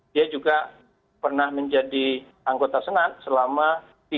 dia juga pernah menjadi anggota senat selama tiga tahun